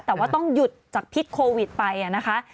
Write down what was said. แต่ว่าต้องหยุดจากพิษโควิดไปนะคะ